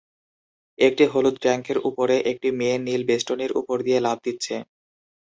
একটি হলুদ ট্যাঙ্কের উপরে একটি মেয়ে নীল বেষ্টনীর উপর দিয়ে লাফ দিচ্ছে।